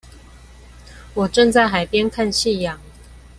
我正在海邊看夕陽